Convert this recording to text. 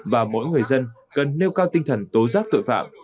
và mỗi người dân cần nêu cao tinh thần tố giác tội phạm